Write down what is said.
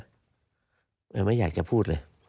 เหมือนมัยอยากจะพูดเลย